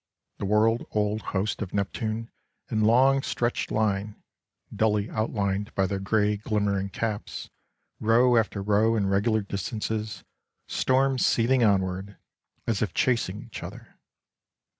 The world old hosts of Neptune in long stretched line, dully outlined by their grey glimmering caps, row after row in regular distances, stormed seething onward, as if chasing each other.